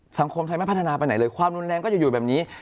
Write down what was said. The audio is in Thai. สังคมไทยไม่พัฒนาไปไหนเลยความรุนแรงก็จะอยู่แบบนี้